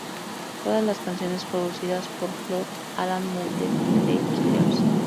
Todas las canciones producidas por Flood, Alan Moulder y The Killers.